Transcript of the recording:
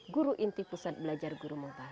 guru inti pusat belajar guru mubah